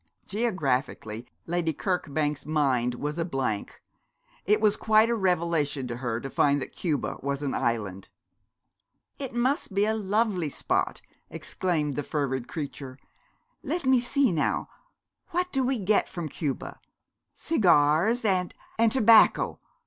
Geographically, Lady Kirkbank's mind was a blank. It was quite a revelation to her to find that Cuba was an island. 'It must be a lovely spot!' exclaimed the fervid creature. 'Let me see, now, what do we get from Cuba? cigars and and tobacco.